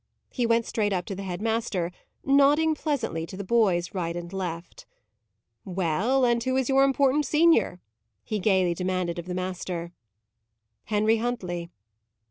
He went straight up to the head master, nodding pleasantly to the boys, right and left. "Well, and who is your important senior?" he gaily demanded of the master. "Henry Huntley."